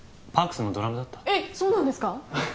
ＰＡＲＫＳのドラムだったえっそうなんですか？